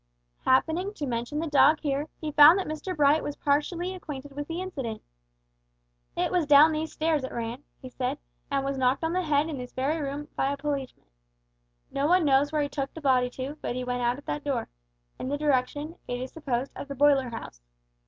Happening to mention the dog here, he found that Mr Bright was partially acquainted with the incident. "It was down these stairs it ran," he said, "and was knocked on the head in this very room by the policeman. No one knows where he took the body to, but he went out at that door, in the direction, it is supposed, of the boiler house."